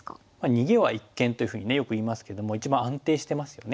「逃げは一間」というふうにねよく言いますけども一番安定してますよね。